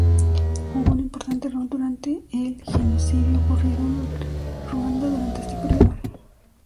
Jugó un importante rol durante el genocidio ocurrido en Ruanda durante este período.